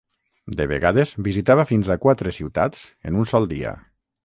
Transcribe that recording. De vegades, visitava fins a quatre ciutats en un sol dia.